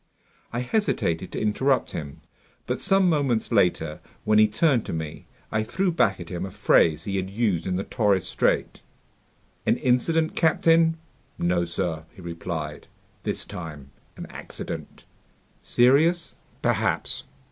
I hesitated to interrupt him. But some moments later, when he turned to me, I threw back at him a phrase he had used in the Torres Strait: "An incident, captain?" "No, sir," he replied, "this time an accident." "Serious?" "Perhaps."